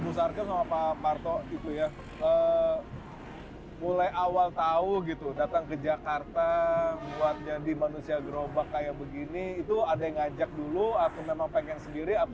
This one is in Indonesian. bu sarkel sama pak parto itu ya mulai awal tahu gitu datang ke jakarta buat jadi manusia gerobak kayak begini itu ada yang ngajak dulu atau memang pengen sendiri